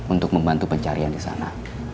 untuk membantu pencarian di sana